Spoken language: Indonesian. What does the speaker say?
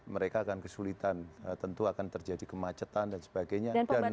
mereka akan kesulitan tentu akan terjadi kemacetan dan sebagainya